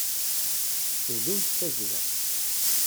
Bdumt tazzla.